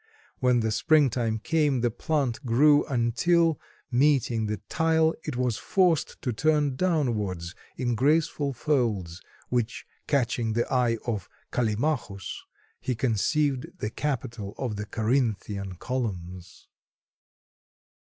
When the springtime came the plant grew until, meeting the tile, it was forced to turn downwards in graceful folds, which, catching the eye of Callimachus, he conceived the capital of the Corinthian columns.